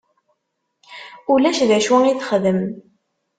Ulac d acu i texdem.